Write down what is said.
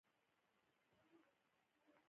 باسواده ښځې د نرسنګ په برخه کې کار کوي.